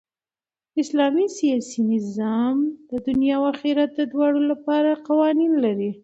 د اسلام سیاسي نظام د دؤنيا او آخرت دواړو له پاره قوانين لري.